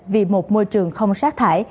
vì một môi trường không sát thải